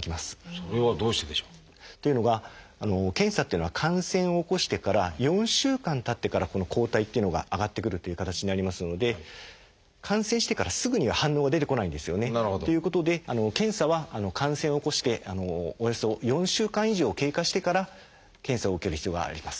それはどうしてでしょう？というのが検査っていうのは感染を起こしてから４週間たってからこの抗体っていうのが上がってくるという形になりますので感染してからすぐには反応が出てこないんですよね。ということで検査は感染を起こしておよそ４週間以上経過してから検査を受ける必要があります。